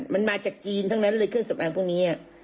มันมาจากจีนทั้งนั้นเลยเครื่องสำอางพวกนี้